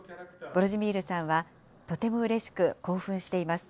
ヴォロジミールさんはとてもうれしく、興奮しています。